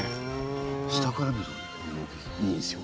下から見るのもいいんすよ。